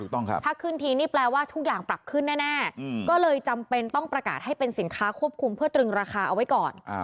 ต้องครับถ้าขึ้นทีนี่แปลว่าทุกอย่างปรับขึ้นแน่ก็เลยจำเป็นต้องประกาศให้เป็นสินค้าควบคุมเพื่อตรึงราคาเอาไว้ก่อน